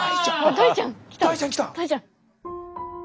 大ちゃん！